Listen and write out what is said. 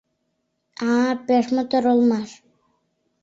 — А-а, пеш мотор улмаш...